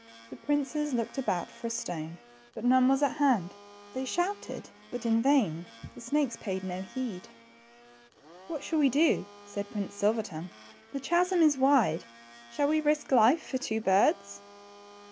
The princes looked about for a stone, but none were at hand. They shouted, but in vain ; the snakes paid no heed. What shall we do ?" said Prince Silver tongue ; the chasm is wide ; shall we risk life for two birds